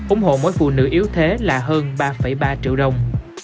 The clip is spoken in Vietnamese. ủng hộ mỗi phụ nữ yếu thế là hơn ba ba triệu đồng